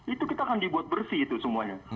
itu kita akan dibuat bersih itu semuanya